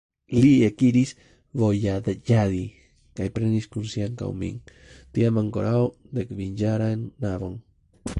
Li ekiris vojaĝadi kaj prenis kun si ankaŭ min, tiam ankoraŭ dekkvinjaran knabon.